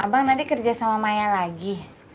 abang nanti kerja sama maya lagi